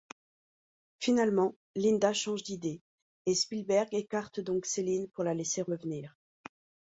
Finalement, Linda change d'idée et Speilberg écarte donc Céline pour la laisser revenir.